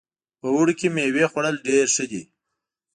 په اوړي کې میوې خوړل ډېر ښه ده